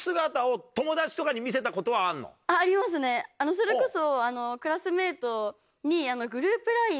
それこそ。